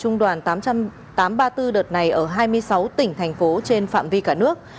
hai trăm tám mươi một công dân cách ly tại trung đoàn tám nghìn tám trăm ba mươi bốn đợt này ở hai mươi sáu tỉnh thành phố trên phạm vi cả nước